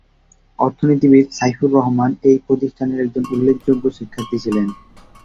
অর্থনীতিবিদ সাইফুর রহমান এই প্রতিষ্ঠানের একজন উল্লেখযোগ্য শিক্ষার্থী ছিলেন।